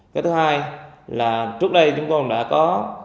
cái thứ hai là trước đây chúng tôi đã có